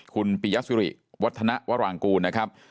คุณปิยสิริวัฒนวรางกูลนะครับ